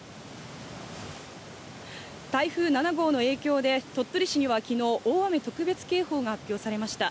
台風７号の影響で、鳥取市にはきのう大雨特別警報が発表されました。